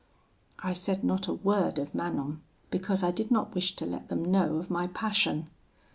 "I said not a word of Manon, because I did not wish to let them know of my passion.